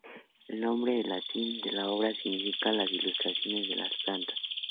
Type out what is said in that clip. El nombre en latín de la obra significa "Las ilustraciones de las plantas".